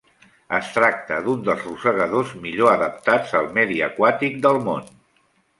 Es tracta d'un dels rosegadors millor adaptats al medi aquàtic del món.